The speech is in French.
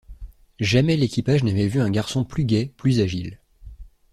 Jamais l’équipage n’avait vu un garçon plus gai, plus agile.